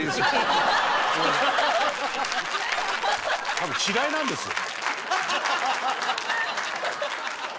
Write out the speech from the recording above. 多分嫌いなんですよ。